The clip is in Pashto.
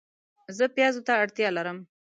زه پیازو ته اړتیا لرم